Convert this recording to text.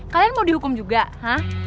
kalian mau dihukum juga ya